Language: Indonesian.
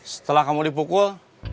setelah kamu dipukul